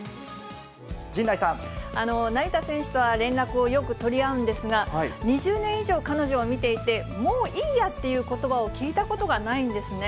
成田選手とは連絡をよく取り合うんですが、２０年以上、彼女を見ていて、もういいやっていうことばを聞いたことがないんですね。